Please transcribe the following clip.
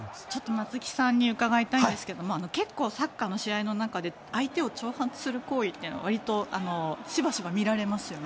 松木さんに伺いたいんですがサッカーの試合の中で相手を挑発する行為は割としばしば見られますよね。